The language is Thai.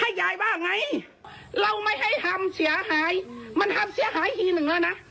ยายว่าไงเราไม่ให้ทำเสียหายมันทำเสียหายทีหนึ่งแล้วนะ